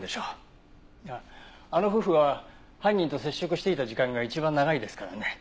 あの夫婦は犯人と接触していた時間が一番長いですからね。